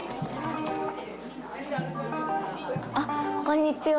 あっこんにちは。